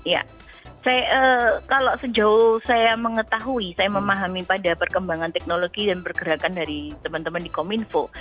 ya kalau sejauh saya mengetahui saya memahami pada perkembangan teknologi dan pergerakan dari teman teman di kominfo